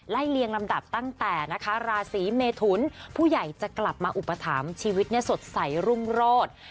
เลียงลำดับตั้งแต่นะคะราศีเมทุนผู้ใหญ่จะกลับมาอุปถัมภ์ชีวิตสดใสรุ่งโรธ